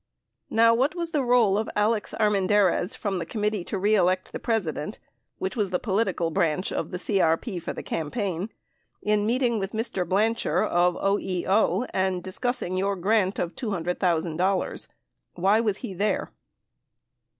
Now, what was the role of Alex Armendariz from the Committee To Ee Elect the President, which was the political branch of the CEP for the campaign, in meeting with Mr. Blacher of OEO and discussing your grant of $200,000 ? Why was he there